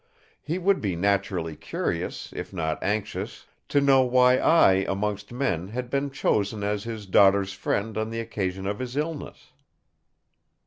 He would be naturally curious, if not anxious, to know why I amongst men had been chosen as his daughter's friend on the occasion of his illness.